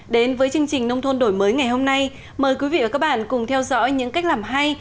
đến với chương trình nông thôn đổi mới ngày hôm nay mời quý vị và các bạn cùng theo dõi những cách làm hay